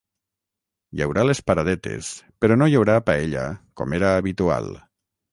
Hi haurà les paradetes, però no hi haurà paella com era habitual.